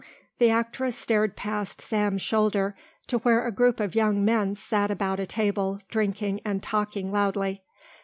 The actress stared past Sam's shoulder to where a group of young men sat about a table drinking and talking loudly.